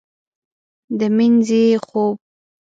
د مینځې خوب